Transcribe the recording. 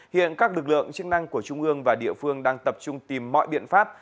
hiện các lực lượng chức năng của trung ương và địa phương đang tập trung tìm mọi biện pháp